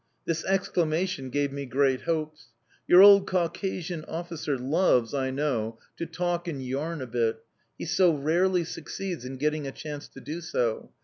This exclamation gave me great hopes. Your old Caucasian officer loves, I know, to talk and yarn a bit; he so rarely succeeds in getting a chance to do so.